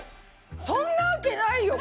そんなわけないよ